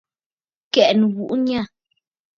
Kɛ̀ʼɛ nɨbuʼu nyâ.